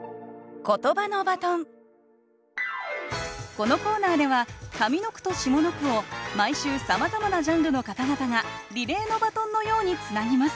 このコーナーでは上の句と下の句を毎週さまざまなジャンルの方々がリレーのバトンのようにつなぎます。